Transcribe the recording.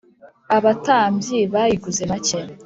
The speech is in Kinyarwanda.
abatambyi bayiguze make